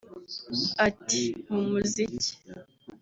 Ati “Mu muziki